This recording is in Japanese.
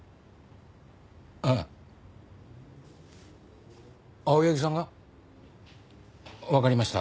えっ青柳さんが？わかりました。